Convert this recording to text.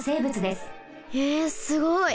えすごい！